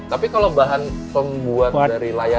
tapi kalau bahan pembuat dari layar